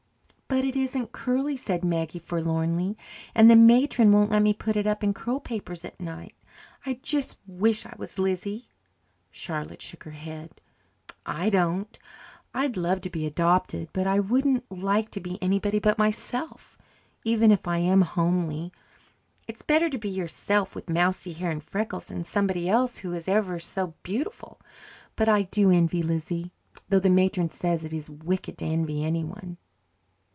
"But it isn't curly," said Maggie forlornly. "And the matron won't let me put it up in curl papers at night. I just wish I was Lizzie." Charlotte shook her head. "I don't. I'd love to be adopted, but I wouldn't really like to be anybody but myself, even if I am homely. It's better to be yourself with mousy hair and freckles than somebody else who is ever so beautiful. But I do envy Lizzie, though the matron says it is wicked to envy anyone."